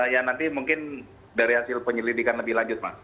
ya nanti mungkin dari hasil penyelidikan lebih lanjut mas